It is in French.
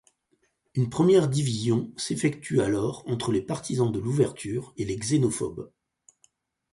Une première division s'effectue alors entre les partisans de l'ouverture et les xénophobes.